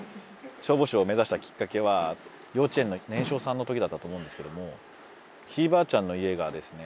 消防士を目指したきっかけは幼稚園の年少さんの時だったと思うんですけどもひいばあちゃんの家がですね